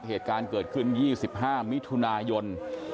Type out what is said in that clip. เหตุการณ์เกิดขึ้น๒๕มิถุนายน